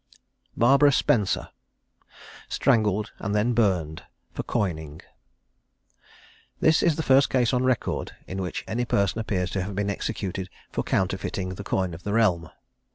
BARBARA SPENCER. STRANGLED, AND THEN BURNED, FOR COINING. This is the first case on record, in which any person appears to have been executed for counterfeiting the coin of the realm.